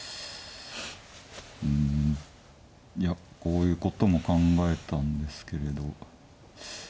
うんいやこういうことも考えたんですけれど。